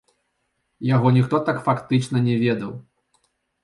Яго ніхто так фактычна не ведаў.